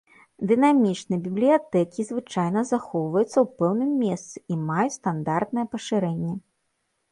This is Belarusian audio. Дынамічныя бібліятэкі звычайна захоўваюцца ў пэўным месцы і маюць стандартнае пашырэнне.